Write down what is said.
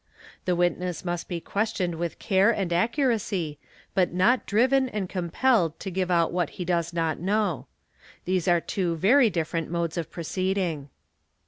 The witness must be questioned with care and accuracy but not driven and compelled to give out what he does not know; these are two very different modes of proceeding.